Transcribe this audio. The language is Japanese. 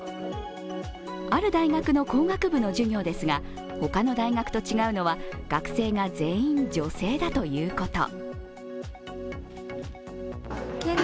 ある大学の工学部の授業ですが他の大学と違うのは、学生が全員、女性だということ。